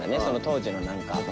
その当時のなんか。